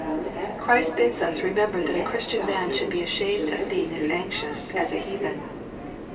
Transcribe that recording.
Christ bids us remember that a Christian man should be ashamed of being as anxious as a heathen.